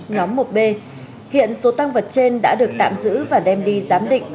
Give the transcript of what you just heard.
nhóm một b hiện số tăng vật trên đã được tạm giữ và đem đi giám định